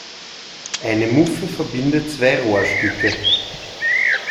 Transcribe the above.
Eine Muffe verbindet zwei Rohrstücke.